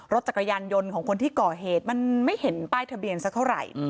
รถจักรยานยนต์ของคนที่ก่อเหตุมันไม่เห็นป้ายทะเบียนสักเท่าไหร่